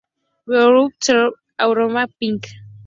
Beautiful Soldier Aurora Pink.